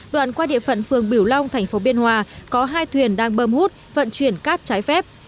đoạn qua địa phận phường biểu long thành phố biên hòa có hai thuyền đang bơm hút vận chuyển cát trái phép